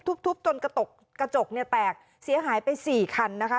ทุบจนกระจกแตกเสียหายไปสี่คัน